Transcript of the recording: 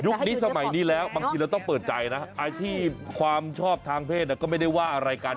สมัยนี้แล้วบางทีเราต้องเปิดใจนะที่ความชอบทางเพศก็ไม่ได้ว่าอะไรกัน